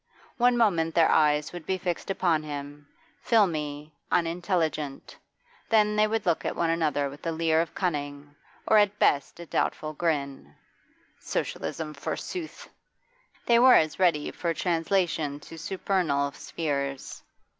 One moment their eyes would be fixed upon him, filmy, unintelligent, then they would look at one another with a leer of cunning, or at best a doubtful grin. Socialism, forsooth! They were as ready for translation to supernal spheres.